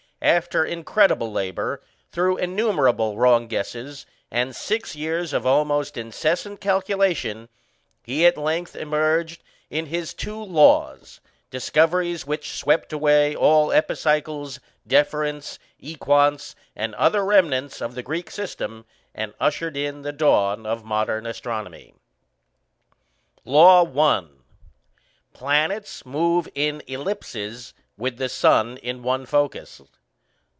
After incredible labour, through innumerable wrong guesses, and six years of almost incessant calculation, he at length emerged in his two "laws" discoveries which swept away all epicycles, deferents, equants, and other remnants of the Greek system, and ushered in the dawn of modern astronomy. LAW I. _Planets move in ellipses, with the Sun in one focus.